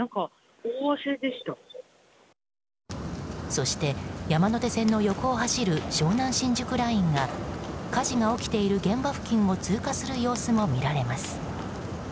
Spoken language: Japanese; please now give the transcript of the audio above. そして、山手線の横を走る湘南新宿ラインが火事が起きている現場付近を通過する様子も見られます。